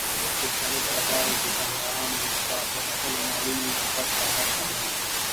د سړک د غاړې دوکاندارانو به پر خپلو مالونو یو غټ څادر هوار کړ.